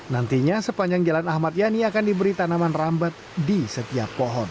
nantinya sepanjang jalan ahmad yani akan diberi tanaman rambet di setiap pohon